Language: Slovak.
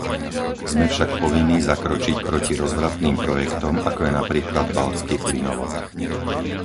Sme však povinní zakročiť proti rozvratným projektom, ako je napríklad baltský plynovod.